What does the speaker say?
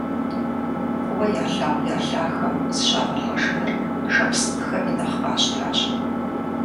ФӀыуэ ялъагъу я лъахэм зыщагъэлӀэжыныр шапсыгъхэми нэхъ къащтащ.